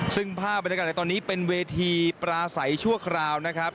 ซึ่งภาพบรรยากาศในตอนนี้เป็นเวทีปราศัยชั่วคราวนะครับ